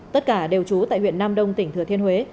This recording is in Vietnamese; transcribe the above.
tất cả đều trú tại huyện nam đông tỉnh thừa thiên huế